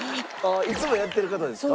いつもやってる方ですか？